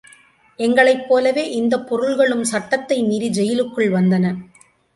எங்களைப் போலவே இந்தப் பொருள்களும் சட்டத்தை மீறி ஜெயிலுக்குள் வந்தன.